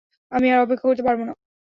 আমি আর অপেক্ষা করতে পারবো না!